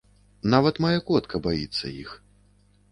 Нават мая котка баіцца іх.